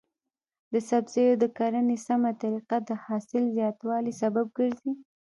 د سبزیو د کرنې سمه طریقه د حاصل زیاتوالي سبب کیږي.